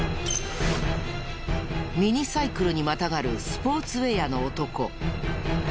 ミニサイクルにまたがるスポーツウェアの男。